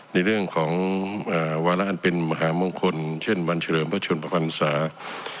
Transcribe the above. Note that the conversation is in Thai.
ในเรื่องของวาระอันเป็นมหามงคลเช่นวันเฉลิมพระชนประพันศา